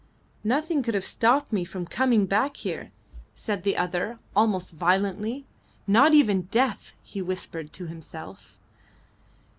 "Nothing could have stopped me from coming back here," said the other, almost violently. "Not even death," he whispered to himself.